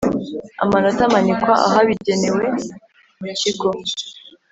Amanota amanikwa ahabigenewe mu kigo